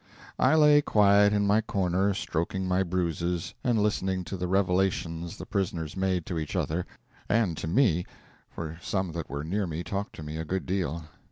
I lay quiet in my corner, stroking my bruises, and listening to the revelations the prisoners made to each other and to me for some that were near me talked to me a good deal.